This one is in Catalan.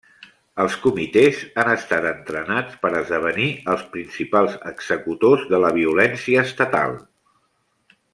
Els Comitès han estat entrenats per esdevenir els principals executors de la violència estatal.